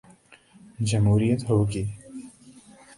جمہوریت ہو گی۔